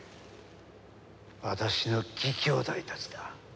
私の義兄弟たちだ。